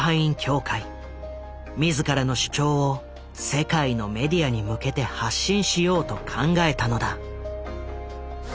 自らの主張を世界のメディアに向けて発信しようと考えたのだ。